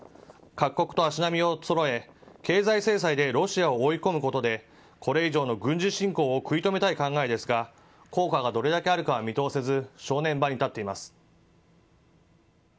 各国と足並みをそろえ経済制裁でロシアを追い込むことでこれ以上の軍事侵攻を食い止めたい考えですが効果がどれだけあるかは見通せず正念場に立っています。